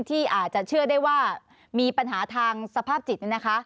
ที่อาจจะเชื่อได้ว่ามีปัญหาทางสภาพจิต